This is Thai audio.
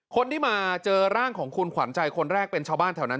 คนที่มาเจอร่างของคุณขวัญใจคนแรกเป็นชาวบ้านแถวนั้น